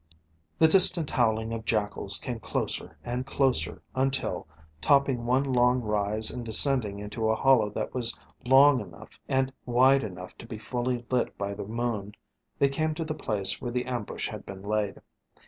The distant howling of jackals came closer and closer until, topping one long rise and descending into a hollow that was long enough and wide enough to be fully lit by the moon, they came to the place where the ambush had been laid.